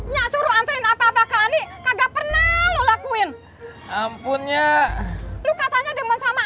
nyatuan sering apa apa kani kagak pernah lelakuin ampunnya lu katanya demen sama